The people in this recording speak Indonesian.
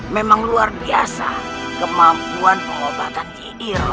memang luar biasa kemampuan pengobatan cik iroh